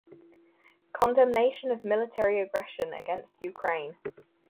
Condemnation of military aggression against Ukraine.